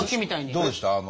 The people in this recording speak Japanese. どうでした？